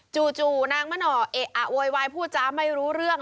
จู่นางมะหน่อเอะอะโวยวายพูดจ้าไม่รู้เรื่อง